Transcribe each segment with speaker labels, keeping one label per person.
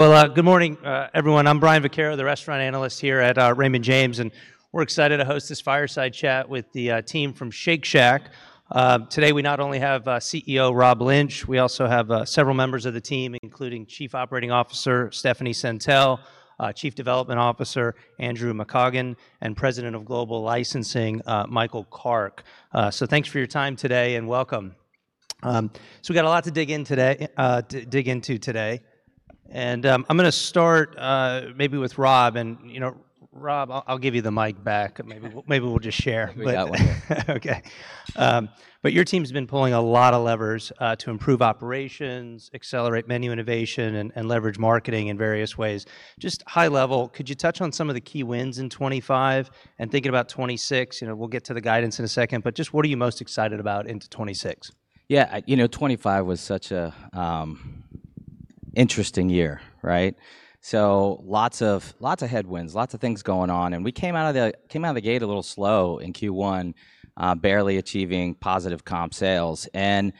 Speaker 1: Good morning, everyone. I'm Brian Vaccaro, the restaurant analyst here at Raymond James, and we're excited to host this fireside chat with the team from Shake Shack. Today, we not only have CEO Rob Lynch, we also have several members of the team, including Chief Operating Officer Stephanie Sentell, Chief Development Officer Andrew McCaughan, and President of Global Licensing Michael Kark. Thanks for your time today and welcome. We've got a lot to dig into today. I'm going to start maybe with Rob. You know, Rob, I'll give you the mic back. Maybe we'll just share.
Speaker 2: Do that one.
Speaker 1: Okay. But your team's been pulling a lot of levers to improve operations, accelerate menu innovation, and leverage marketing in various ways. Just high level, could you touch on some of the key wins in 2024 and thinking about 2025? You know, we'll get to the guidance in a second, but just what are you most excited about into 2025?
Speaker 2: Yeah, you know, 2024 was such an interesting year, right? So lots of headwinds, lots of things going on. And we came out of the gate a little slow in Q1, barely achieving positive comp sales. And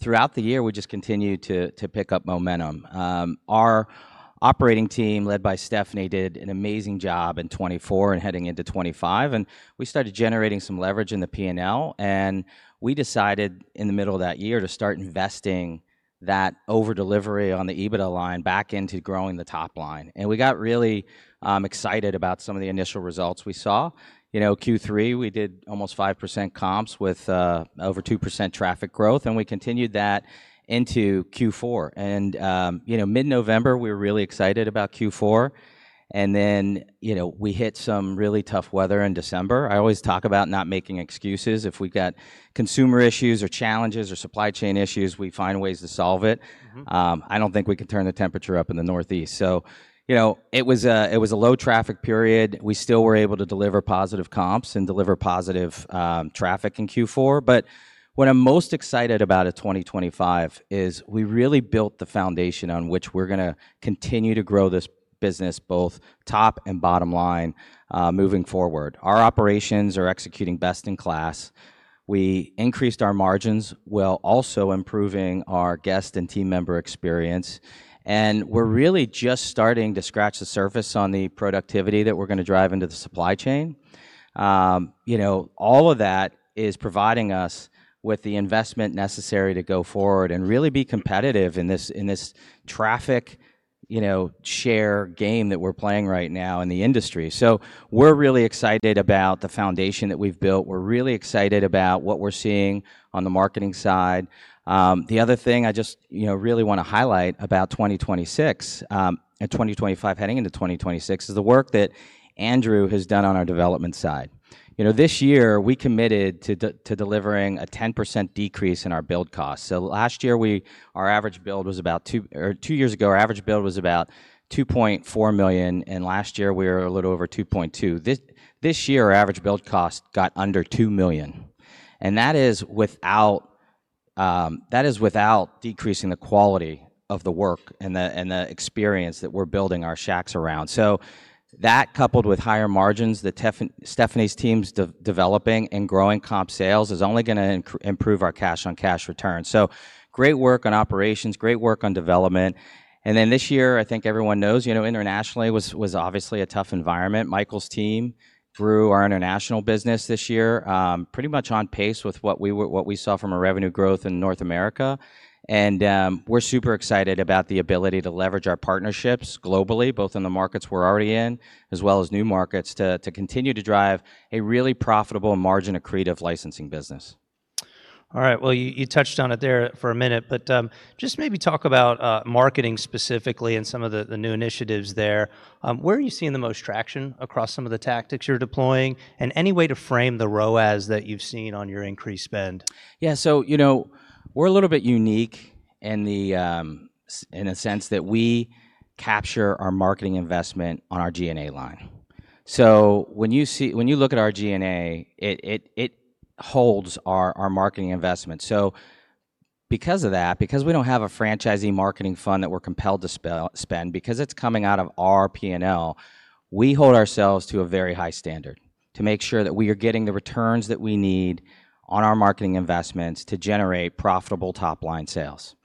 Speaker 2: throughout the year, we just continued to pick up momentum. Our operating team, led by Stephanie, did an amazing job in 2024 and heading into 2024. And we started generating some leverage in the P&L. And we decided in the middle of that year to start investing that overdelivery on the EBITDA line back into growing the top line. And we got really excited about some of the initial results we saw. You know, Q3, we did almost 5% comps with over 2% traffic growth, and we continued that into Q4. And, you know, mid-November, we were really excited about Q4. And then, you know, we hit some really tough weather in December. I always talk about not making excuses. If we've got consumer issues or challenges or supply chain issues, we find ways to solve it. I don't think we can turn the temperature up in the Northeast. So, you know, it was a low-traffic period. We still were able to deliver positive comps and deliver positive traffic in Q4. But what I'm most excited about at 2024 is we really built the foundation on which we're going to continue to grow this business, both top and bottom line, moving forward. Our operations are executing best in class. We increased our margins while also improving our guest and team member experience. And we're really just starting to scratch the surface on the productivity that we're going to drive into the supply chain. You know, all of that is providing us with the investment necessary to go forward and really be competitive in this traffic, you know, share game that we're playing right now in the industry. So we're really excited about the foundation that we've built. We're really excited about what we're seeing on the marketing side. The other thing I just, you know, really want to highlight about 2025 and 2024 heading into 2025 is the work that Andrew has done on our development side. You know, this year, we committed to delivering a 10% decrease in our build costs. So last year, our average build was about, or two years ago, our average build was about $2.4 million. And last year, we were a little over $2.2 million. This year, our average build cost got under $2 million. And that is without decreasing the quality of the work and the experience that we're building our Shacks around. So that, coupled with higher margins, Stephanie's team's developing and growing comp sales is only going to improve our cash-on-cash return. So great work on operations, great work on development. And then this year, I think everyone knows, you know, internationally was obviously a tough environment. Michael's team grew our international business this year, pretty much on pace with what we saw from our revenue growth in North America. And we're super excited about the ability to leverage our partnerships globally, both in the markets we're already in, as well as new markets to continue to drive a really profitable and margin-accretive licensing business.
Speaker 1: All right. Well, you touched on it there for a minute, but just maybe talk about marketing specifically and some of the new initiatives there. Where are you seeing the most traction across some of the tactics you're deploying and any way to frame the ROAS that you've seen on your increased spend?
Speaker 2: Yeah, so, you know, we're a little bit unique in the sense that we capture our marketing investment on our G&A line. So when you look at our G&A, it holds our marketing investment. So because of that, because we don't have a franchisee marketing fund that we're compelled to spend, because it's coming out of our P&L, we hold ourselves to a very high standard to make sure that we are getting the returns that we need on our marketing investments to generate profitable top-line sales.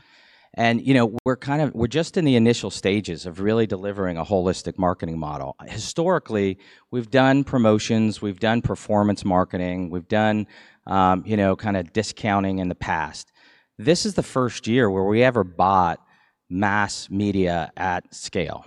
Speaker 2: And, you know, we're kind of, we're just in the initial stages of really delivering a holistic marketing model. Historically, we've done promotions, we've done performance marketing, we've done, you know, kind of discounting in the past. This is the first year where we ever bought mass media at scale.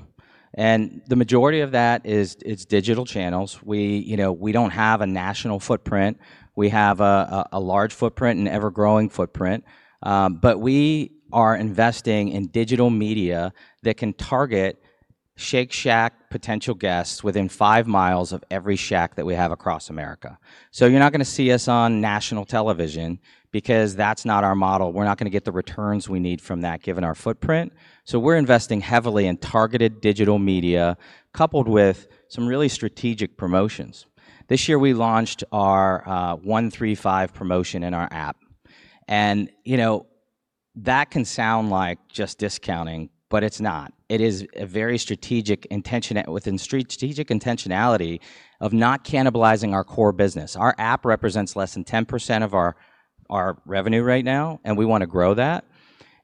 Speaker 2: And the majority of that is digital channels. We, you know, we don't have a national footprint. We have a large footprint and ever-growing footprint. But we are investing in digital media that can target Shake Shack potential guests within five miles of every Shack that we have across America. So you're not going to see us on national television because that's not our model. We're not going to get the returns we need from that given our footprint. So we're investing heavily in targeted digital media coupled with some really strategic promotions. This year, we launched our 1-3-5 promotion in our app. And, you know, that can sound like just discounting, but it's not. It is a very strategic intention within strategic intentionality of not cannibalizing our core business. Our app represents less than 10% of our revenue right now, and we want to grow that.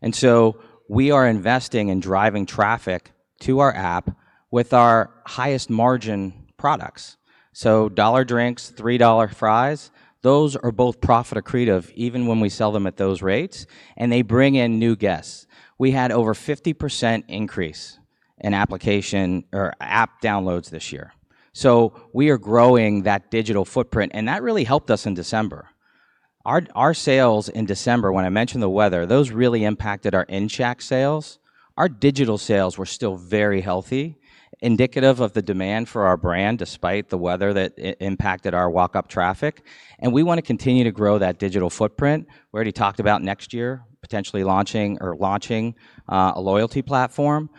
Speaker 2: And so we are investing in driving traffic to our app with our highest margin products. So dollar drinks, $3 fries, those are both profit-accretive even when we sell them at those rates, and they bring in new guests. We had over 50% increase in application or app downloads this year. So we are growing that digital footprint, and that really helped us in December. Our sales in December, when I mentioned the weather, those really impacted our in-Shack sales. Our digital sales were still very healthy, indicative of the demand for our brand despite the weather that impacted our walk-up traffic. And we want to continue to grow that digital footprint. We already talked about next year potentially launching a loyalty platform.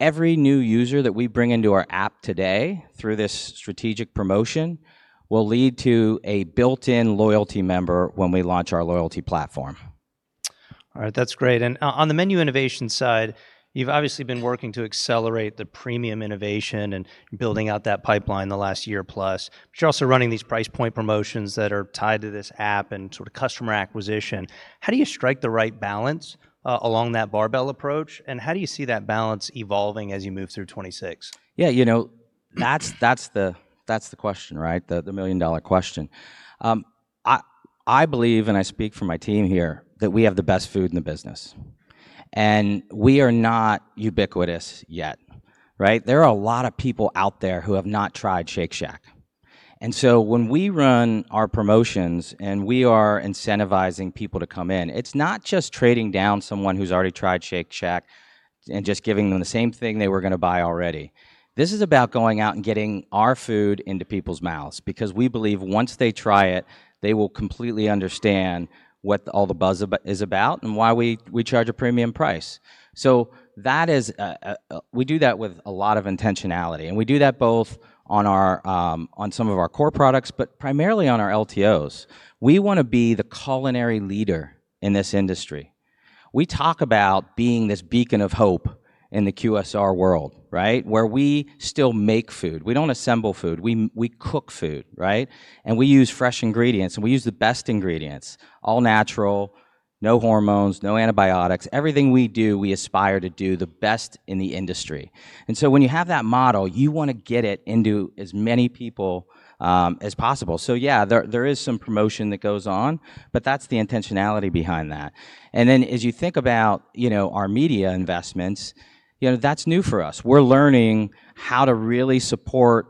Speaker 2: Every new user that we bring into our app today through this strategic promotion will lead to a built-in loyalty member when we launch our loyalty platform.
Speaker 1: All right, that's great. And on the menu innovation side, you've obviously been working to accelerate the premium innovation and building out that pipeline the last year plus, but you're also running these price point promotions that are tied to this app and sort of customer acquisition. How do you strike the right balance along that barbell approach? And how do you see that balance evolving as you move through 2025?
Speaker 2: Yeah, you know, that's the question, right? The million-dollar question. I believe, and I speak for my team here, that we have the best food in the business, and we are not ubiquitous yet, right? There are a lot of people out there who have not tried Shake Shack, and so when we run our promotions and we are incentivizing people to come in, it's not just trading down someone who's already tried Shake Shack and just giving them the same thing they were going to buy already. This is about going out and getting our food into people's mouths because we believe once they try it, they will completely understand what all the buzz is about and why we charge a premium price, so that is, we do that with a lot of intentionality. And we do that both on some of our core products, but primarily on our LTOs. We want to be the culinary leader in this industry. We talk about being this beacon of hope in the QSR world, right? Where we still make food. We don't assemble food. We cook food, right? And we use fresh ingredients, and we use the best ingredients. All natural, no hormones, no antibiotics. Everything we do, we aspire to do the best in the industry. And so when you have that model, you want to get it into as many people as possible. So yeah, there is some promotion that goes on, but that's the intentionality behind that. And then as you think about, you know, our media investments, you know, that's new for us. We're learning how to really support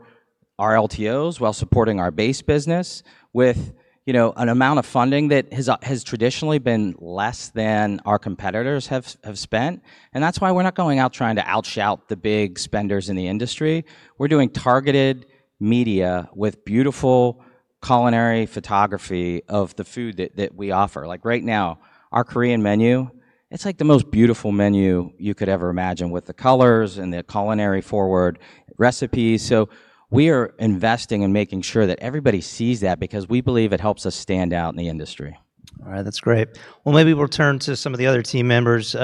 Speaker 2: our LTOs while supporting our base business with, you know, an amount of funding that has traditionally been less than our competitors have spent. And that's why we're not going out trying to outshout the big spenders in the industry. We're doing targeted media with beautiful culinary photography of the food that we offer. Like right now, our Korean menu, it's like the most beautiful menu you could ever imagine with the colors and the culinary-forward recipes. So we are investing in making sure that everybody sees that because we believe it helps us stand out in the industry.
Speaker 1: All right, that's great. Well, maybe we'll turn to some of the other team members,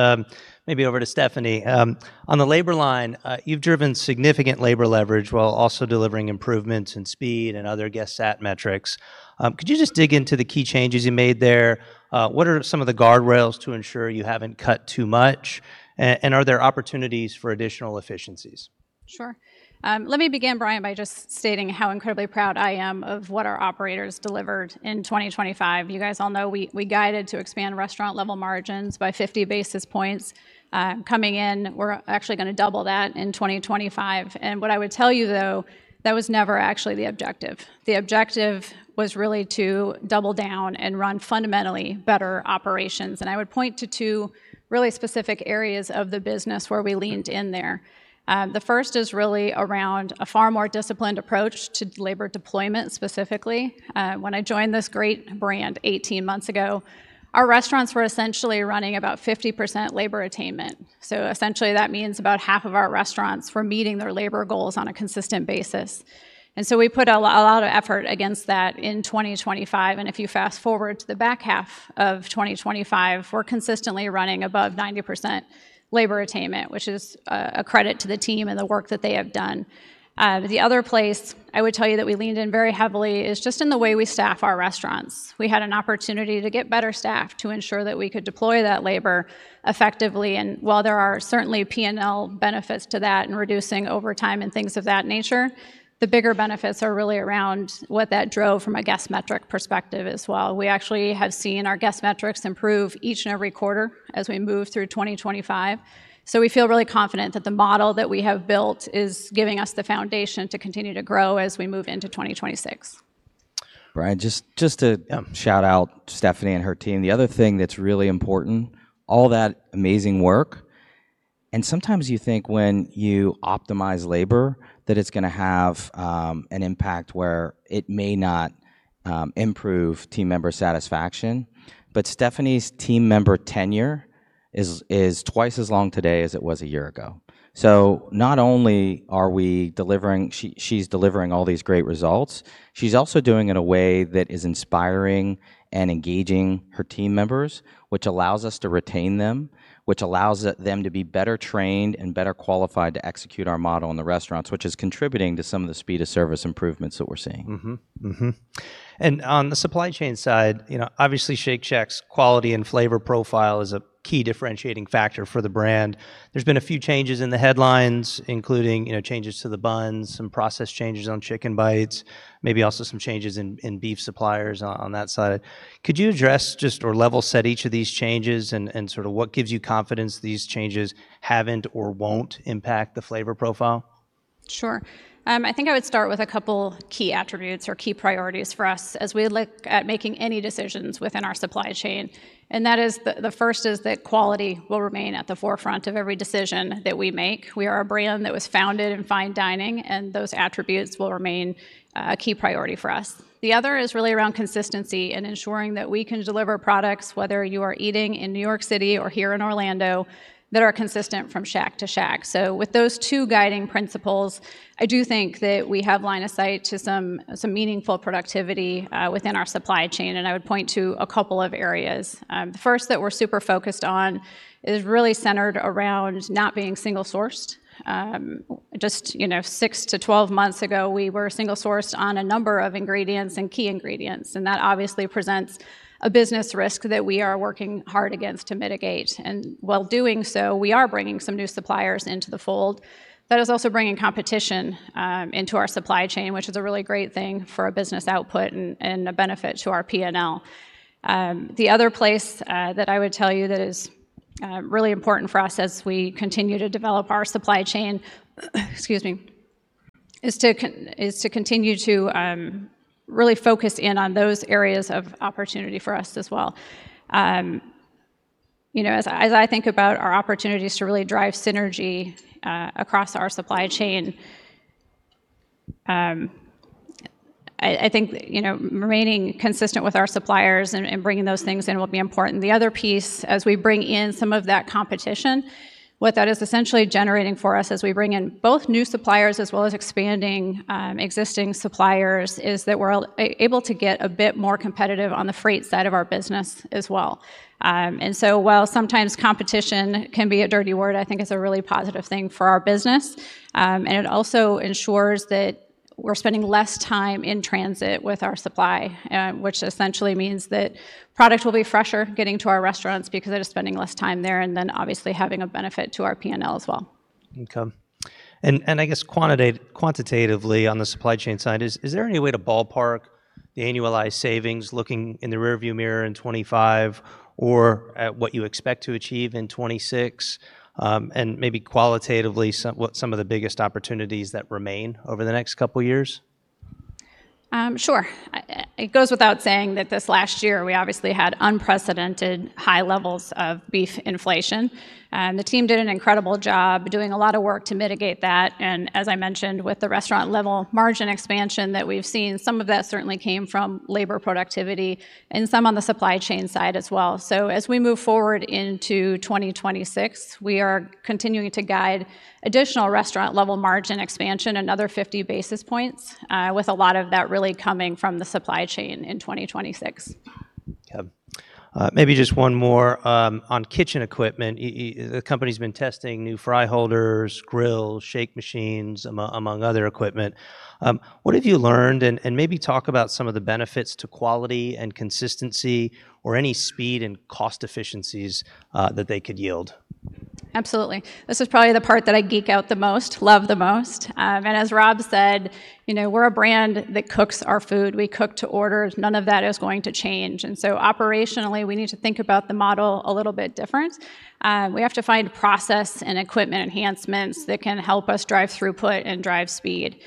Speaker 1: maybe over to Stephanie. On the labor line, you've driven significant labor leverage while also delivering improvements in speed and other guest sat metrics. Could you just dig into the key changes you made there? What are some of the guardrails to ensure you haven't cut too much? And are there opportunities for additional efficiencies?
Speaker 3: Sure. Let me begin, Brian, by just stating how incredibly proud I am of what our operators delivered in 2024. You guys all know we guided to expand restaurant-level margins by 50 basis points. Coming in, we're actually going to double that in 2024, and what I would tell you, though, that was never actually the objective. The objective was really to double down and run fundamentally better operations. I would point to two really specific areas of the business where we leaned in there. The first is really around a far more disciplined approach to labor deployment specifically. When I joined this great brand 18 months ago, our restaurants were essentially running about 50% labor attainment. So essentially, that means about half of our restaurants were meeting their labor goals on a consistent basis, and so we put a lot of effort against that in 2024. And if you fast forward to the back half of 2024, we're consistently running above 90% labor attainment, which is a credit to the team and the work that they have done. The other place I would tell you that we leaned in very heavily is just in the way we staff our restaurants. We had an opportunity to get better staff to ensure that we could deploy that labor effectively. And while there are certainly P&L benefits to that and reducing overtime and things of that nature, the bigger benefits are really around what that drove from a guest metric perspective as well. We actually have seen our guest metrics improve each and every quarter as we move through 2024. So we feel really confident that the model that we have built is giving us the foundation to continue to grow as we move into 2025.
Speaker 2: Brian, just to shout out Stephanie and her team. The other thing that's really important, all that amazing work, and sometimes you think when you optimize labor that it's going to have an impact where it may not improve team member satisfaction, but Stephanie's team member tenure is twice as long today as it was a year ago. So not only are we delivering, she's delivering all these great results, she's also doing it in a way that is inspiring and engaging her team members, which allows us to retain them, which allows them to be better trained and better qualified to execute our model in the restaurants, which is contributing to some of the speed of service improvements that we're seeing.
Speaker 1: On the supply chain side, you know, obviously Shake Shack's quality and flavor profile is a key differentiating factor for the brand. There's been a few changes in the headlines, including, you know, changes to the buns, some process changes on Chick'n Bites, maybe also some changes in beef suppliers on that side. Could you address just or level set each of these changes and sort of what gives you confidence these changes haven't or won't impact the flavor profile?
Speaker 3: Sure. I think I would start with a couple key attributes or key priorities for us as we look at making any decisions within our supply chain. And that is the first is that quality will remain at the forefront of every decision that we make. We are a brand that was founded in fine dining, and those attributes will remain a key priority for us. The other is really around consistency and ensuring that we can deliver products, whether you are eating in New York City or here in Orlando, that are consistent from Shack to Shack. So with those two guiding principles, I do think that we have line of sight to some meaningful productivity within our supply chain. And I would point to a couple of areas. The first that we're super focused on is really centered around not being single-sourced. Just, you know, 6 to 12 months ago, we were single-sourced on a number of ingredients and key ingredients. And that obviously presents a business risk that we are working hard against to mitigate. And while doing so, we are bringing some new suppliers into the fold. That is also bringing competition into our supply chain, which is a really great thing for a business output and a benefit to our P&L. The other place that I would tell you that is really important for us as we continue to develop our supply chain, excuse me, is to continue to really focus in on those areas of opportunity for us as well. You know, as I think about our opportunities to really drive synergy across our supply chain, I think, you know, remaining consistent with our suppliers and bringing those things in will be important. The other piece, as we bring in some of that competition, what that is essentially generating for us as we bring in both new suppliers as well as expanding existing suppliers is that we're able to get a bit more competitive on the freight side of our business as well, and so while sometimes competition can be a dirty word, I think it's a really positive thing for our business, and it also ensures that we're spending less time in transit with our supply, which essentially means that product will be fresher getting to our restaurants because it is spending less time there and then obviously having a benefit to our P&L as well.
Speaker 1: Okay. And I guess quantitatively on the supply chain side, is there any way to ballpark the annualized savings looking in the rearview mirror in 2024 or what you expect to achieve in 2025 and maybe qualitatively some of the biggest opportunities that remain over the next couple of years?
Speaker 3: Sure. It goes without saying that this last year, we obviously had unprecedented high levels of beef inflation. The team did an incredible job doing a lot of work to mitigate that. And as I mentioned, with the restaurant-level margin expansion that we've seen, some of that certainly came from labor productivity and some on the supply chain side as well. So as we move forward into 2025, we are continuing to guide additional restaurant-level margin expansion, another 50 basis points, with a lot of that really coming from the supply chain in 2025.
Speaker 1: Okay. Maybe just one more on kitchen equipment. The company's been testing new fry holders, grills, shake machines, among other equipment. What have you learned and maybe talk about some of the benefits to quality and consistency or any speed and cost efficiencies that they could yield?
Speaker 3: Absolutely. This is probably the part that I geek out the most, love the most, and as Rob said, you know, we're a brand that cooks our food. We cook to orders. None of that is going to change, and so operationally, we need to think about the model a little bit different. We have to find process and equipment enhancements that can help us drive throughput and drive speed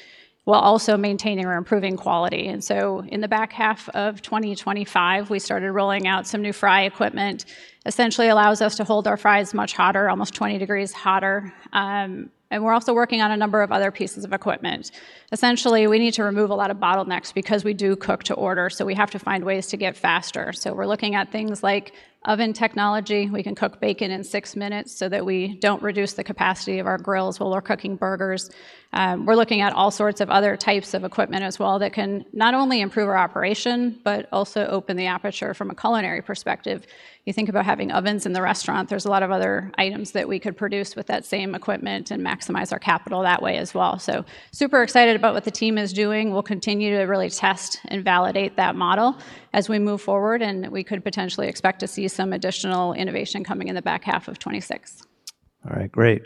Speaker 3: while also maintaining or improving quality, and so in the back half of 2024, we started rolling out some new fry equipment. Essentially, it allows us to hold our fries much hotter, almost 20 degrees hotter, and we're also working on a number of other pieces of equipment. Essentially, we need to remove a lot of bottlenecks because we do cook to order, so we have to find ways to get faster, so we're looking at things like oven technology. We can cook bacon in six minutes so that we don't reduce the capacity of our grills while we're cooking burgers. We're looking at all sorts of other types of equipment as well that can not only improve our operation, but also open the aperture from a culinary perspective. You think about having ovens in the restaurant. There's a lot of other items that we could produce with that same equipment and maximize our capital that way as well. So super excited about what the team is doing. We'll continue to really test and validate that model as we move forward. And we could potentially expect to see some additional innovation coming in the back half of 2025.
Speaker 1: All right, great.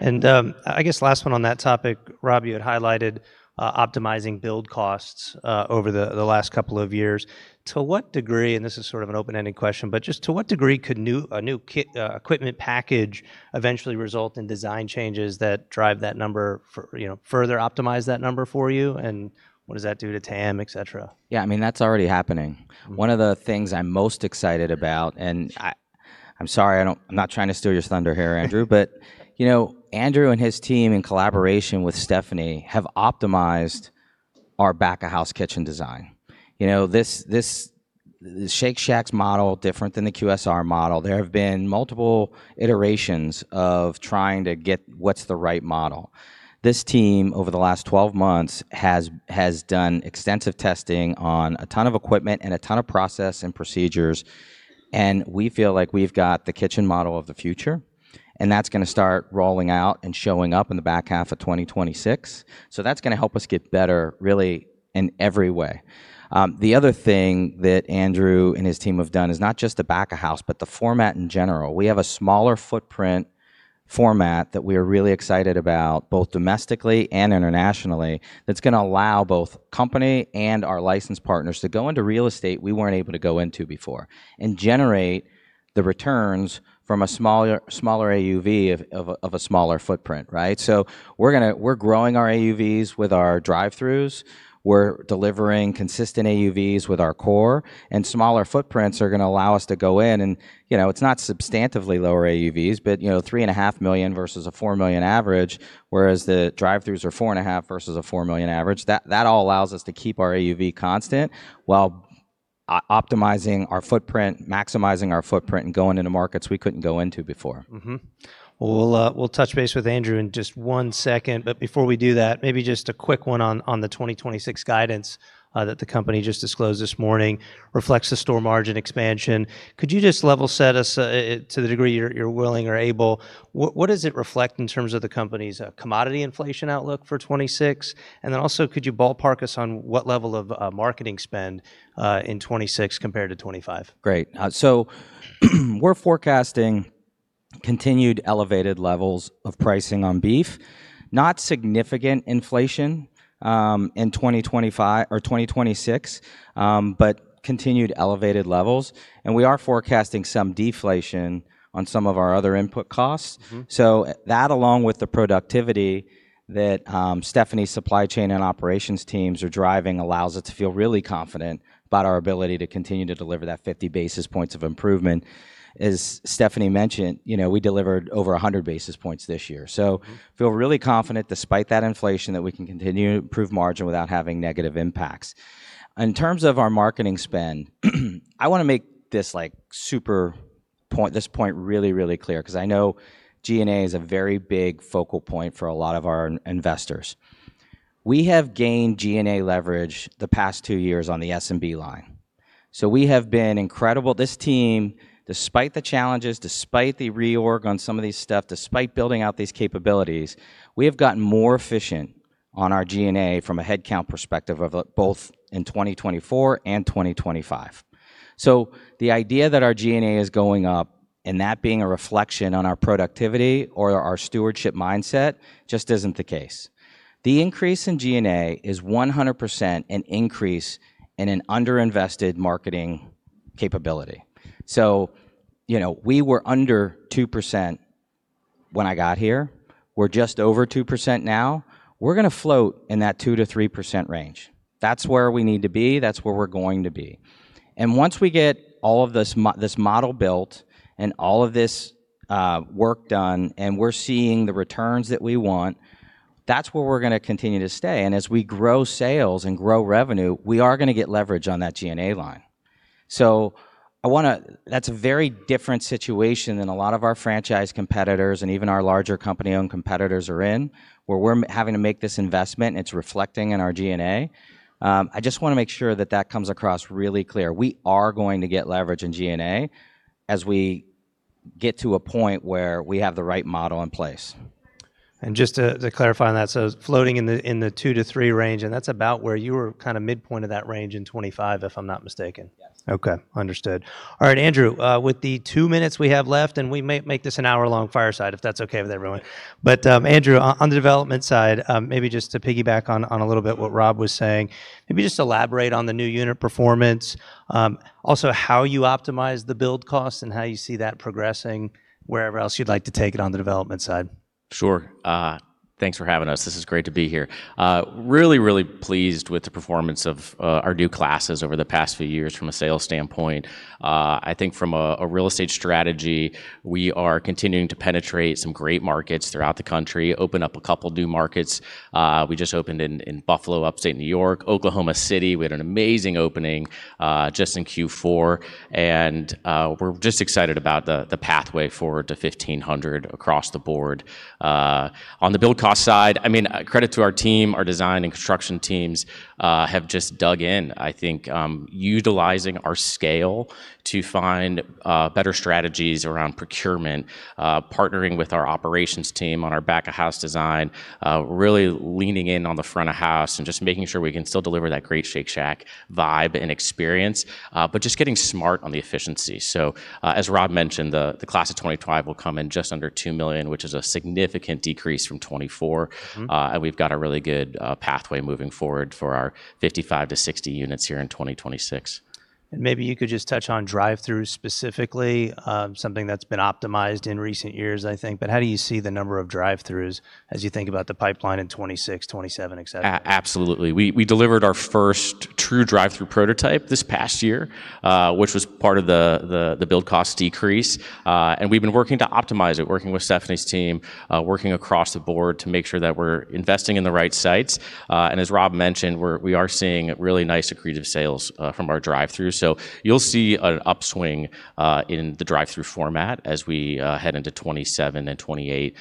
Speaker 1: And I guess last one on that topic, Rob, you had highlighted optimizing build costs over the last couple of years. To what degree, and this is sort of an open-ended question, but just to what degree could a new equipment package eventually result in design changes that drive that number, you know, further optimize that number for you? And what does that do to TAM, etc?
Speaker 2: Yeah, I mean, that's already happening. One of the things I'm most excited about, and I'm sorry, I'm not trying to steal your thunder here, Andrew, but you know, Andrew and his team in collaboration with Stephanie have optimized our back-of-house kitchen design. You know, Shake Shack's model is different than the QSR model. There have been multiple iterations of trying to get what's the right model. This team, over the last 12 months, has done extensive testing on a ton of equipment and a ton of process and procedures. And we feel like we've got the kitchen model of the future. And that's going to start rolling out and showing up in the back half of 2025. So that's going to help us get better really in every way. The other thing that Andrew and his team have done is not just the back-of-house, but the format in general. We have a smaller footprint format that we are really excited about both domestically and internationally. That's going to allow both company and our licensed partners to go into real estate we weren't able to go into before and generate the returns from a smaller AUV of a smaller footprint, right? So we're growing our AUVs with our drive-throughs. We're delivering consistent AUVs with our core. And smaller footprints are going to allow us to go in. And you know, it's not substantively lower AUVs, but you know, $3.5 million versus $4 million average, whereas the drive-throughs are $4.5 million versus $4 million average. That all allows us to keep our AUV constant while optimizing our footprint, maximizing our footprint, and going into markets we couldn't go into before.
Speaker 1: We'll touch base with Andrew in just one second. But before we do that, maybe just a quick one on the 2025 guidance that the company just disclosed this morning reflects the store margin expansion. Could you just level set us to the degree you're willing or able? What does it reflect in terms of the company's commodity inflation outlook for 2025? And then also, could you ballpark us on what level of marketing spend in 2025 compared to 2024?
Speaker 2: Great. So we're forecasting continued elevated levels of pricing on beef, not significant inflation in 2024 or 2025, but continued elevated levels. And we are forecasting some deflation on some of our other input costs. So that, along with the productivity that Stephanie's supply chain and operations teams are driving, allows us to feel really confident about our ability to continue to deliver that 50 basis points of improvement. As Stephanie mentioned, you know, we delivered over 100 basis points this year. So feel really confident despite that inflation that we can continue to improve margin without having negative impacts. In terms of our marketing spend, I want to make this like super point, this point really, really clear because I know G&A is a very big focal point for a lot of our investors. We have gained G&A leverage the past two years on the S&B line. So we have been incredible. This team, despite the challenges, despite the reorg on some of these stuff, despite building out these capabilities, we have gotten more efficient on our G&A from a headcount perspective of both in 2024 and 2024. So the idea that our G&A is going up and that being a reflection on our productivity or our stewardship mindset just isn't the case. The increase in G&A is 100% an increase in an underinvested marketing capability. So, you know, we were under 2% when I got here. We're just over 2% now. We're going to float in that 2%-3% range. That's where we need to be. That's where we're going to be. And once we get all of this model built and all of this work done and we're seeing the returns that we want, that's where we're going to continue to stay. And as we grow sales and grow revenue, we are going to get leverage on that G&A line. So I want to. That's a very different situation than a lot of our franchise competitors and even our larger company-owned competitors are in, where we're having to make this investment and it's reflecting in our G&A. I just want to make sure that that comes across really clear. We are going to get leverage in G&A as we get to a point where we have the right model in place.
Speaker 1: Just to clarify on that, so floating in the two to three range, and that's about where you were kind of midpoint of that range in 2024, if I'm not mistaken. Okay. Understood. All right, Andrew, with the two minutes we have left, and we may make this an hour-long fireside if that's okay with everyone. But Andrew, on the development side, maybe just to piggyback on a little bit what Rob was saying, maybe just elaborate on the new unit performance, also how you optimize the build costs and how you see that progressing wherever else you'd like to take it on the development side.
Speaker 2: Sure. Thanks for having us. This is great to be here. Really, really pleased with the performance of our new units over the past few years from a sales standpoint. I think from a real estate strategy, we are continuing to penetrate some great markets throughout the country, open up a couple of new markets. We just opened in Buffalo, upstate New York, Oklahoma City. We had an amazing opening just in Q4, and we're just excited about the pathway forward to 1,500 across the board. On the build cost side, I mean, credit to our team, our design and construction teams have just dug in, I think, utilizing our scale to find better strategies around procurement, partnering with our operations team on our back-of-house design, really leaning in on the front of house and just making sure we can still deliver that great Shake Shack vibe and experience, but just getting smart on the efficiency. So as Rob mentioned, the class of 2024 will come in just under $2 million, which is a significant decrease from 2024. And we've got a really good pathway moving forward for our 55-60 units here in 2025.
Speaker 1: Maybe you could just touch on drive-throughs specifically, something that's been optimized in recent years, I think. How do you see the number of drive-throughs as you think about the pipeline in 2025, 2027, etc?
Speaker 2: Absolutely. We delivered our first true drive-through prototype this past year, which was part of the build cost decrease, and we've been working to optimize it, working with Stephanie's team, working across the board to make sure that we're investing in the right sites. And as Rob mentioned, we are seeing really nice accretive sales from our drive-through, so you'll see an upswing in the drive-through format as we head into 2027 and 2028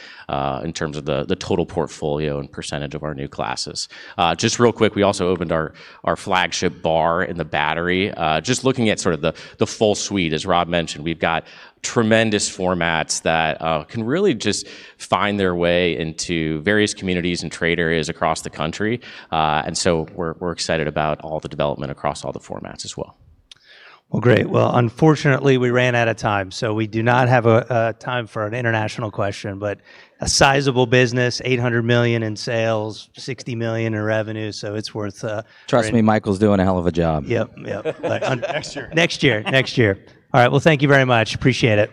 Speaker 2: in terms of the total portfolio and percentage of our new classes. Just real quick, we also opened our flagship bar in The Battery. Just looking at sort of the full suite, as Rob mentioned, we've got tremendous formats that can really just find their way into various communities and trade areas across the country, and so we're excited about all the development across all the formats as well.
Speaker 1: Great. Unfortunately, we ran out of time. We do not have time for an international question, but a sizable business, $800 million in sales, $60 million in revenue. It's worth.
Speaker 2: Trust me, Michael's doing a hell of a job.
Speaker 1: Yep, yep. Next year.
Speaker 2: Next year.
Speaker 1: Next year. All right. Well, thank you very much. Appreciate it.